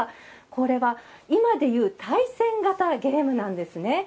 これは今でいう対戦型ゲームなんですね。